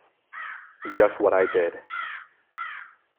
Just what I did.